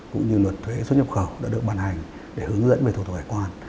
cũng như luật thuế xuất nhập khẩu đã được bàn hành để hướng dẫn về thủ tục hải quan